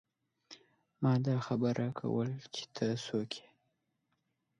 ما دا خبره کوله چې ته څوک يې ۔